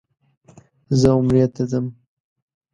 زه عمرې ته ځم.